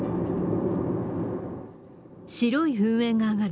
白い噴煙が上がる